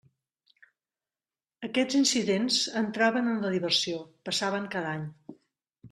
Aquests incidents entraven en la diversió: passaven cada any.